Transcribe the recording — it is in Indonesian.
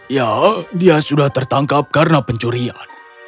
ya dia sudah tertangkap karena pencurian